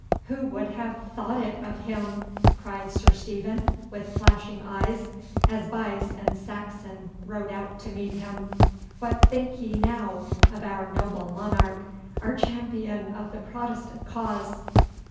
'Who would have thought it of him?' cried Sir Stephen, with flashing eyes, as Buyse and Saxon rode out to meet him. 'What think ye now of our noble monarch, our champion of the Protestant cause?